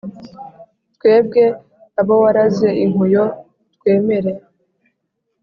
twebwe abo waraze inkuyo twemere,